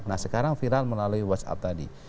nah sekarang viral melalui whatsapp tadi